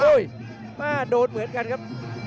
มาโดนเหมือนกันครับ